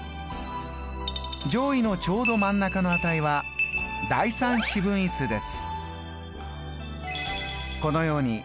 上位のちょうど真ん中の値は第３四分位数です。